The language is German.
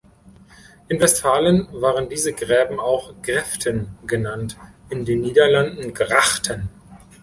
In Westfalen werden diese Gräben auch Gräften genannt, in den Niederlanden Grachten.